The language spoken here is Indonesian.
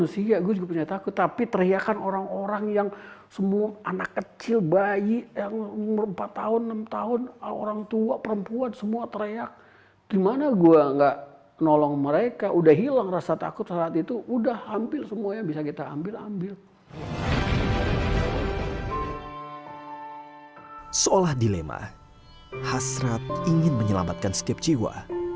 seolah dilema hasrat ingin menyelamatkan setiap jiwa